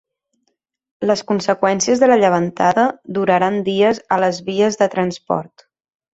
Les conseqüències de la llevantada duraran dies a les vies de transport.